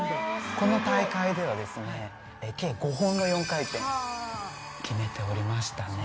この大会ではですね計５本の４回転を決めておりましたね。